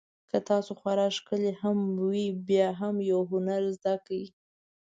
که تاسو خورا ښکلي هم وئ بیا هم یو هنر زده کړئ.